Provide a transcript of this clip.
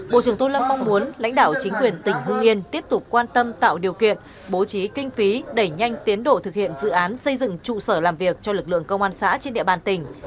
bộ trưởng tô lâm mong muốn lãnh đạo chính quyền tỉnh hương yên tiếp tục quan tâm tạo điều kiện bố trí kinh phí đẩy nhanh tiến độ thực hiện dự án xây dựng trụ sở làm việc cho lực lượng công an xã trên địa bàn tỉnh